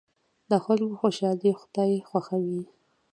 د خلکو خوشحالي خدای خوښوي.